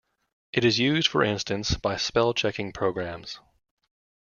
It is used, for instance, by spell-checking programs.